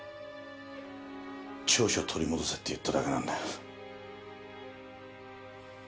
調書取り戻せって言っただけなんだ。